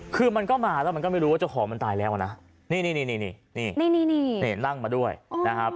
คือมันก็มาแล้วมันก็ไม่รู้ว่าเจ้าของมันตายแล้วอ่ะนะนี่นี่นั่งมาด้วยนะครับ